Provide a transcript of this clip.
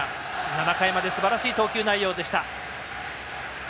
７回まですばらしい投球内容でした。